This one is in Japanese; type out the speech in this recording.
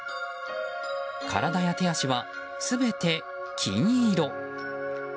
体や手足は全て金色。